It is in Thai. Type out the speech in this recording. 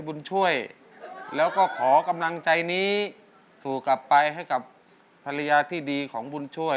ถูกลากลายให้กับภรรยาที่ดีของบุญช่วย